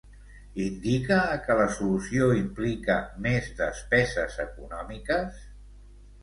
Indica que la solució implica més despeses econòmiques?